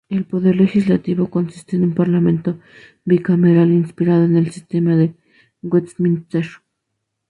El Poder Legislativo consiste en un parlamento bicameral inspirado en el sistema de Westminster.